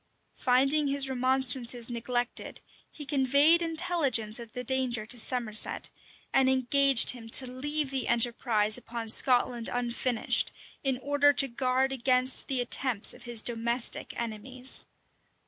Finding his remonstrances neglected, he conveyed intelligence of the danger to Somerset, and engaged him to leave the enterprise upon Scotland unfinished, in order to guard against the attempts of his domestic enemies.